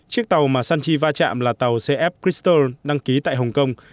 chiếc tàu mà sanchi va chạm là tàu cf christore đăng ký tại hồng kông